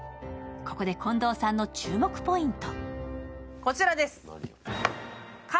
ここで近藤さんの注目ポイント。